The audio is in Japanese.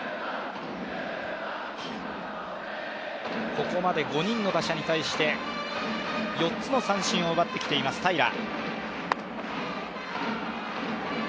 ここまで５人の打者に対して４つの三振を奪ってきています平良。